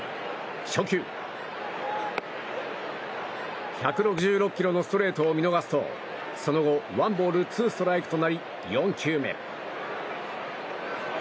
初球、１６６キロのストレートを見逃すとその後ワンボールツーストライクとなり４球目。